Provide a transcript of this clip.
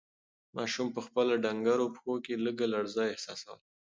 ماشوم په خپلو ډنگرو پښو کې لږه لړزه احساسوله.